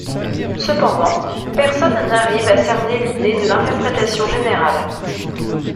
Cependant, personne n'arrive à cerner l'idée de l'interprétation générale.